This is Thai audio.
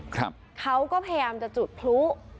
เขาก็พยายามจะจุดพลุ